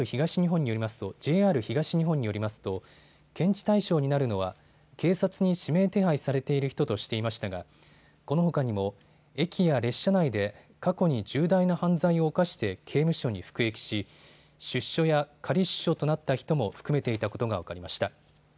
ＪＲ東日本によりますと検知対象になるのは警察に指名手配されている人としていましたがこのほかにも駅や列車内で過去に重大な犯罪を犯して刑務所に服役し出所や仮出所となった人も含めていたことが分かりました。